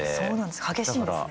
激しいんですね。